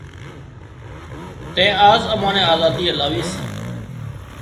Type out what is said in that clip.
تين آز امان نين آزادي الاوي سي